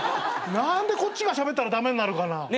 何でこっちがしゃべったら駄目になるかな。